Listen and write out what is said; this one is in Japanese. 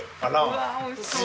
うわおいしそう。